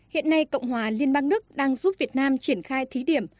hiện nay cộng hòa liên bang đức đang giúp việt nam triển khai thí điểm